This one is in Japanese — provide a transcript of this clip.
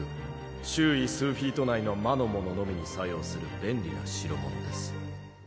周囲数フィート内の魔の者のみに作用する便利な代物です。